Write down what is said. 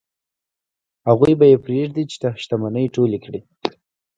هغوی به یې پرېږدي چې شتمنۍ ټولې کړي.